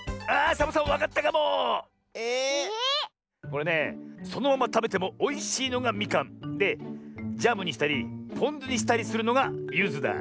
これねそのままたべてもおいしいのがみかんでジャムにしたりぽんずにしたりするのがゆずだ。